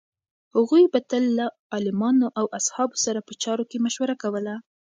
هغوی به تل له عالمانو او اصحابو سره په چارو کې مشوره کوله.